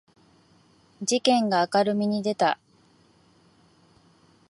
事件が明るみに出た